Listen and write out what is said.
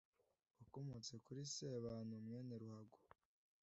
wakomotse kuri sebantu mwene ruhago